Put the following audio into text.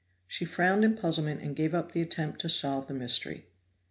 She frowned in puzzlement and gave up the attempt to solve the mystery.